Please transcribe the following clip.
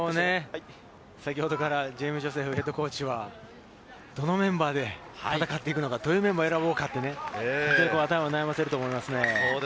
先ほどからジェイミー・ジョセフＨＣはどのメンバーで戦っていくのか、どのメンバーを選ぼうか、頭を悩ませていると思います。